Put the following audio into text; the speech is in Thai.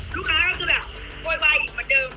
ลูกค้าก็คือแบบโวยวายอีกเหมือนเดิม